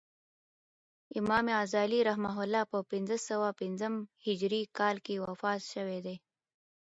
امام غزالی رحمة الله په پنځه سوه پنځم هجري کال کښي وفات سوی دئ.